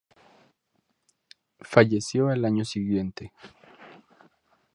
Falleció al año siguiente.